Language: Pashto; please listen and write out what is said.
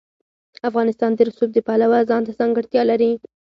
افغانستان د رسوب د پلوه ځانته ځانګړتیا لري.